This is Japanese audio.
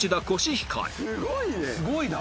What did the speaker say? すごいね！